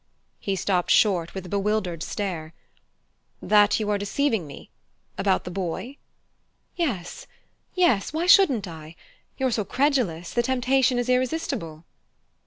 He stopped short with a bewildered stare. "That you are deceiving me about the boy?" "Yes yes; why shouldn't I? You're so credulous the temptation is irresistible."